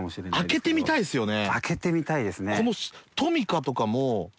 開けてみたいですね。